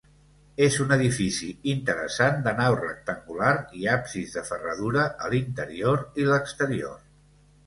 És un edifici interessant de nau rectangular i absis de ferradura a l'interior i l'exterior.